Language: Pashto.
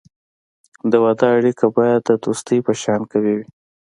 د واده اړیکه باید د دوستی په شان قوي وي.